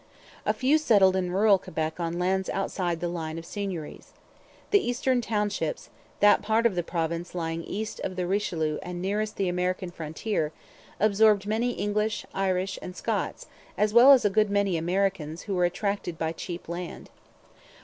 A few settled in rural Quebec on lands outside the line of seigneuries. The Eastern Townships, that part of the province lying east of the Richelieu and nearest the American frontier, absorbed many English, Irish, and Scots, as well as a good many Americans who were attracted by cheap land.